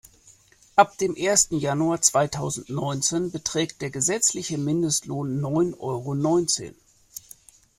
Ab dem ersten Januar zweitausendneunzehn beträgt der gesetzliche Mindestlohn neun Euro neunzehn.